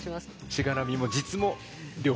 しがらみも実も両方。